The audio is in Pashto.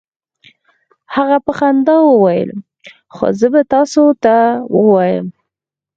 هغې په خندا وویل: "خو زه به تاسو ته ووایم،